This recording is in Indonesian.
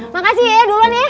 makasih ya duluan ya